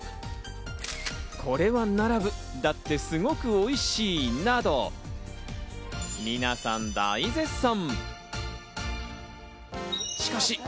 これは並ぶ、だってすごくおいしい！など、皆さん大絶賛！